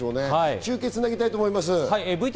中継をつなぎたいと思います。